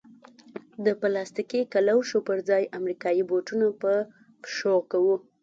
د پلاستیکي کلوشو پر ځای امریکایي بوټونه په پښو کوو.